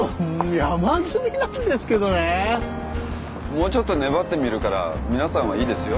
もうちょっと粘ってみるから皆さんはいいですよ。